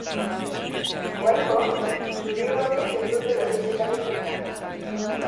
Oraingoz, zuri-gorriek ez dute berdinketarik izan.